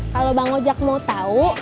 kalau bang ojek mau tahu